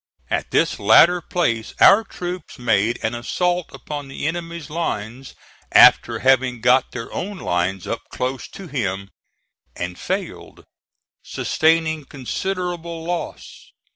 At this latter place our troops made an assault upon the enemy's lines after having got their own lines up close to him, and failed, sustaining considerable loss.